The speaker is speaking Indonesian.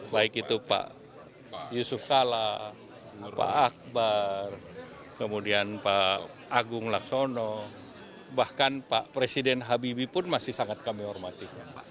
baik itu pak yusuf kala pak akbar kemudian pak agung laksono bahkan pak presiden habibie pun masih sangat kami hormati